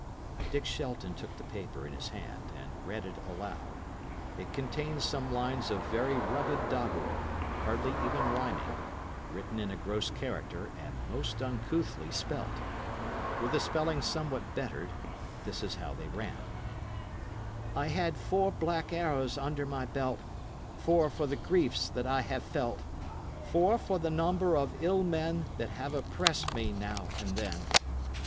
Dick Shelton took the paper in his hand and read it aloud. It contained some lines of very rugged doggerel, hardly even rhyming, written in a gross character, and most uncouthly spelt. With the spelling somewhat bettered, this is how they ran: "I had four blak arrows under my belt, Four for the greefs that I have felt, Four for the nomber of ill menne That have opressid me now and then.